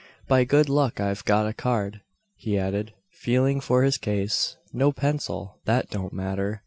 "By good luck I've got a card," he added, feeling for his case. "No pencil! That don't matter.